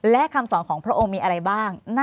และคำสอนของพระองค์มีอะไรบ้าง